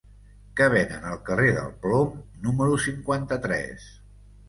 Què venen al carrer del Plom número cinquanta-tres?